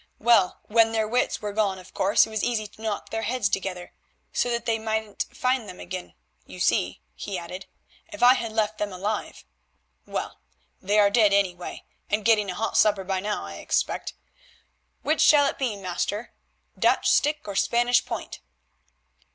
"Well, when their wits were gone of course it was easy to knock their heads together, so that they mightn't find them again. You see," he added, "if I had left them alive—well, they are dead anyway, and getting a hot supper by now, I expect. Which shall it be, master? Dutch stick or Spanish point?"